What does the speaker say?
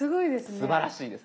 すばらしいです。